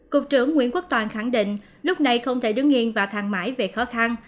cục trưởng nguyễn quốc toàn khẳng định lúc này không thể đứng nghiêng và thang mãi về khó khăn